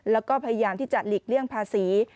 แล้วก็พยายามที่จะหลีกเลี่ยงภาษี